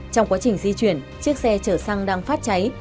trong quá trình di chuyển chiếc xe chở xăng đang phát cháy